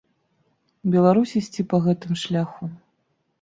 Беларусь ісці па гэтым шляху.